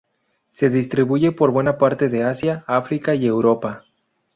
Se distribuyen por buena parte de Asia, África y Europa.